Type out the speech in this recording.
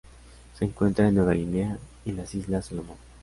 Se encuentra en Nueva Guinea y las islas Salomón.